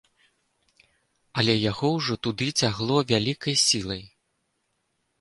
Але яго ўжо туды цягло вялікай сілай.